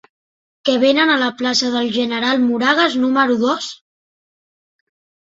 Què venen a la plaça del General Moragues número dos?